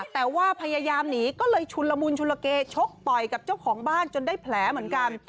แต่ว่าพยายามหนีก็เลยชุนละมุนชุลเกชกต่อยกับเจ้าของบ้านจนได้แผลเหมือนกัน